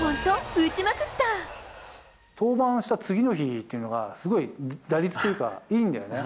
登板した次の日というのが、すごい打率というか、いいんだよね。